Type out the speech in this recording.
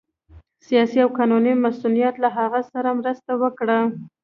سیاسي او قانوني مصونیت له هغوی سره مرسته وکړه